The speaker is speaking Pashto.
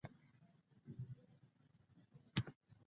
نري تپ ته يې پزه ونيوله.